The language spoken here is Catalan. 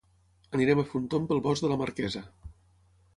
Anirem a fer un tomb pel Bosc de la Marquesa.